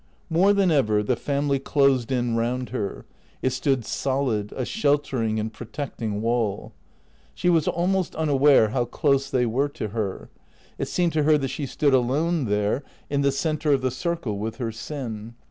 More than ever the family closed in round her ; it stood solid, a sheltering and protecting wall. She was almost unaware how close they were to her. It seemed to her that she stood alone there, in the centre of the circle, with her sin.